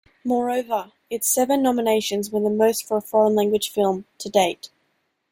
Moreover, its seven nominations were the most for a foreign language film, to date.